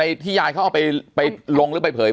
แต่คุณยายจะขอย้ายโรงเรียน